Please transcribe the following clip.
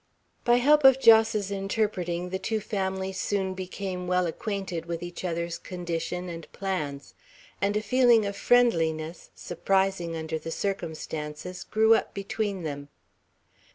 By help of Jos's interpreting, the two families soon became well acquainted with each other's condition and plans; and a feeling of friendliness, surprising under the circumstances, grew up between them.